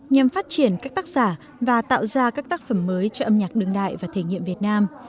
nhằm phát triển các tác giả và tạo ra các tác phẩm mới cho âm nhạc đương đại và thể nghiệm việt nam